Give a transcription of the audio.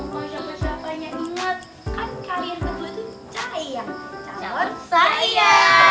bukan siapa siapanya inget kan kalian berdua tuh cahaya